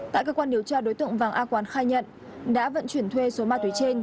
tại cơ quan điều tra đối tượng vàng a quán khai nhận đã vận chuyển thuê số ma túy trên